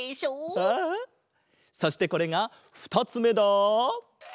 そしてこれがふたつめだ。